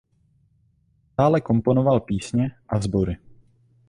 Dále komponoval písně a sbory.